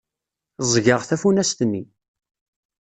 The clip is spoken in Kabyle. Ẓẓgeɣ tafunast-nni.